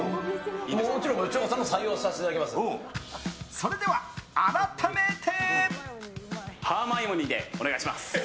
それでは改めて。